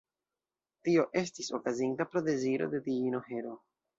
Tio estis okazinta pro deziro de diino Hero.